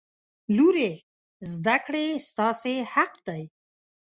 لورې! زده کړې ستاسې حق دی.